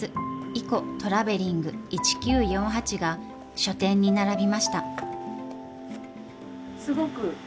「イコトラベリング１９４８−」が書店に並びました。